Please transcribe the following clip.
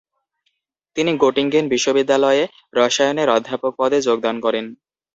তিনি গোটিঙ্গেন বিশ্ববিদ্যালয়ে রসায়নের অধ্যাপক পদে যোগদান করেন।